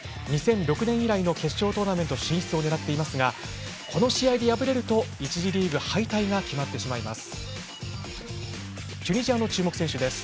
２００６年以来の決勝トーナメント進出をねらっていますがこの試合で敗れると１次リーグ敗退が決まってしまいます。